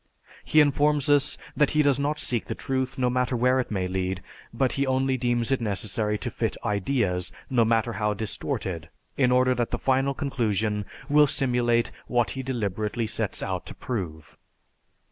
He informs us that he does not seek the truth, no matter where it may lead, but he only deems it necessary to fit ideas, no matter how distorted, in order that the final conclusion will simulate what he deliberately sets out to prove."